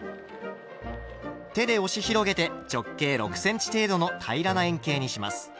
手で押し広げて直径６ｃｍ程度の平らな円形にします。